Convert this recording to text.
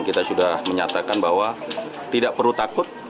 kita sudah menyatakan bahwa tidak perlu takut